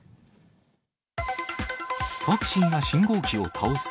タクシーが信号機を倒す。